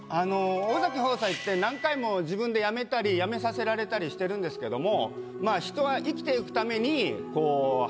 尾崎放哉って何回も自分で辞めたり辞めさせられたりしてるんですけども。